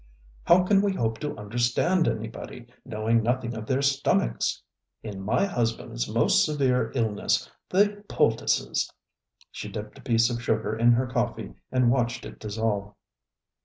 How can we hope to understand anybody, knowing nothing of their stomachs? In my husbandŌĆÖs most severe illnessŌĆöthe poulticesŌĆöŌĆØ She dipped a piece of sugar in her coffee and watched it dissolve.